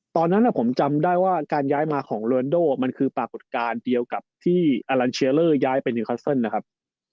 ตอนนั้นผมจำได้ว่าการย้ายมาของโรนโดมันคือปรากฏการณ์เดียวกับที่อลันเชลเลอร์ย้ายไปนิวคัสเซิลนะครับ